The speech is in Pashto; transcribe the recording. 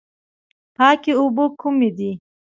پاکې اوبه کومې دي؟